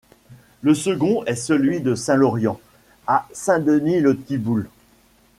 Le second est celui de Saint-Laurian, à Saint-Denis-le-Thiboult.